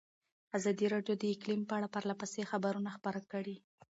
ازادي راډیو د اقلیم په اړه پرله پسې خبرونه خپاره کړي.